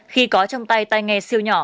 khi có trong tay tay nghe siêu nhỏ